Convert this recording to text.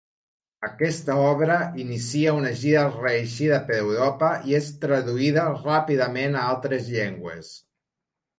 Aquesta obra inicia una gira reeixida per Europa i és traduïda ràpidament a altres llengües.